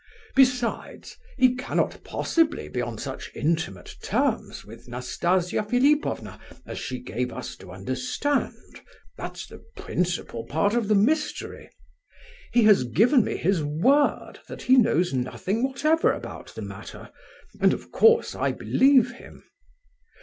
Besides, he cannot possibly be on such intimate terms with Nastasia Philipovna as she gave us to understand; that's the principal part of the mystery! He has given me his word that he knows nothing whatever about the matter, and of course I believe him.